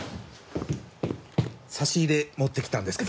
差し入れ持ってきたんですけど。